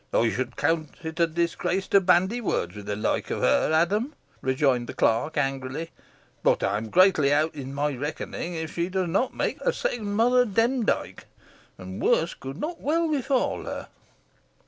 "I should account it a disgrace to bandy words with the like of her, Adam," rejoined the clerk, angrily; "but I'm greatly out in my reckoning, if she does not make a second Mother Demdike, and worse could not well befall her."